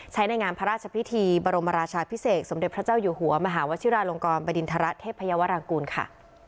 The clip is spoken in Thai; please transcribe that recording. ในงานพระราชพิธีบรมราชาพิเศษสมเด็จพระเจ้าอยู่หัวมหาวชิราลงกรบดินทรเทพยาวรางกูลค่ะ